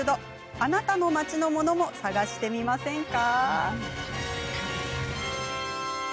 あなたの街のものも探してみませんか？